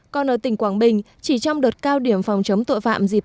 còn ở tỉnh quảng bình chỉ trong đợt cao điểm phòng chống tội phạm dịp tết